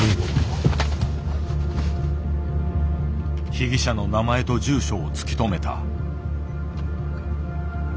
被疑者の名前と住所を突き止めた。